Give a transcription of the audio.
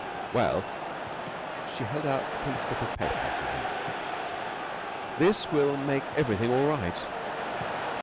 Well" she held out a pink slip of paper to him "this will make everything all right."